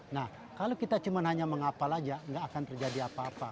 nah kalau kita cuma hanya mengapal aja nggak akan terjadi apa apa